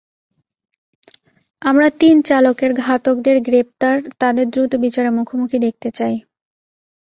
আমরা তিন চালকের ঘাতকদের গ্রেপ্তার, তাদের দ্রুত বিচারের মুখোমুখি দেখতে চাই।